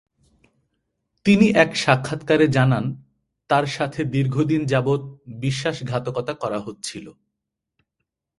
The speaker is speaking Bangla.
তিনি এক সাক্ষাৎকারে জানান তার সাথে দীর্ঘদিন যাবত বিশ্বাসঘাতকতা করা হচ্ছিল।